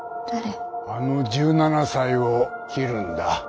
あの１７才を切るんだ。